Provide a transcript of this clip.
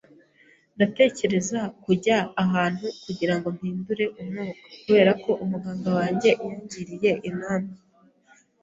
Ndatekereza kujya ahantu kugirango mpindure umwuka, kubera ko umuganga wanjye yangiriye inama